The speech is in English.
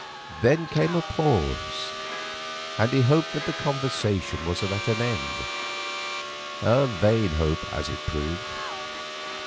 Then came a pause, and he hoped that the conversation was at end; a vain hope, as it proved.